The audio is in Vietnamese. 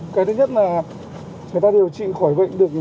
cái thứ nhất là người ta điều trị khỏi bệnh